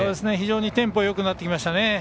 非常にテンポよくなってきました。